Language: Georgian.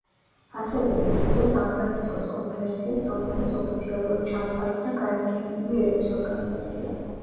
ასევე ესწრებოდა სან-ფრანცისკოს კონფერენციას რომელზეც ოფიციალურად ჩამოყალიბდა გაერთიანებული ერების ორგანიზაცია.